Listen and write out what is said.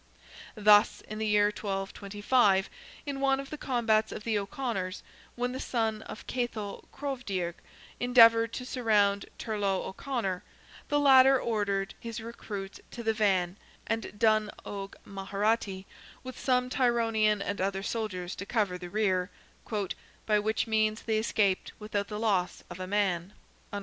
Thus, in the year 1225, in one of the combats of the O'Conors, when the son of Cathal Crovdearg endeavoured to surround Turlogh O'Conor, the latter ordered his recruits to the van, and Donn Oge Magheraty, with some Tyronian and other soldiers to cover the rear, "by which means they escaped without the loss of a man."